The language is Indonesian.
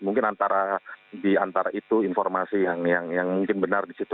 mungkin antara itu informasi yang mungkin benar di situ